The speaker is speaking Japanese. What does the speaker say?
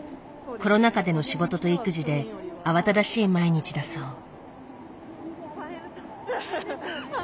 コロナ禍での仕事と育児で慌ただしい毎日だそう。